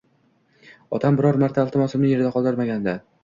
otam biror marta iltimosimni yerda qoldirmagandi.